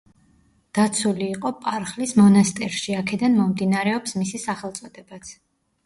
დაცული იყო პარხლის მონასტერში; აქედან მომდინარეობს მისი სახელწოდებაც.